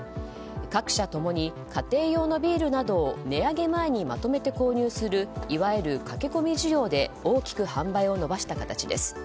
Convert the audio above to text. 各社ともに家庭用のビールなどを値上げ前にまとめて購入するいわゆる駆け込み需要で大きく販売を伸ばした形です。